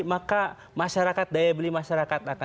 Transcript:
maka masyarakat daya beli masyarakat akan semakin rendah